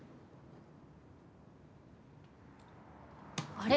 あれ？